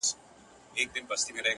زه به وکړم په مخلوق داسي کارونه!.